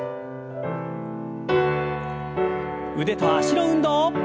腕と脚の運動。